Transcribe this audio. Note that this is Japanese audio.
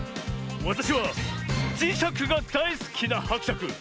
わたしはじしゃくがだいすきなはくしゃく。